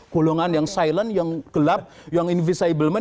golongan yang silent yang gelap yang invisibleman